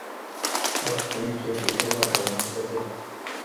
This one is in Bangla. ওহ, তুমি কিউট, বিষয় পালটাব না, ঠিক আছে?